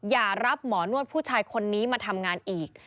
อย่ารับหมอนวดผู้ชายคนนี้มาทำงานอีก